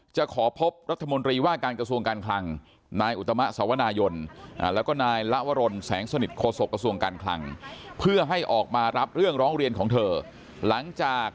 จะขอพบเราห์โธ่มอลรีว่าการกระทรวงการคลัง